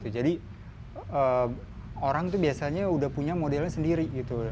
jadi orang itu biasanya sudah punya modelnya sendiri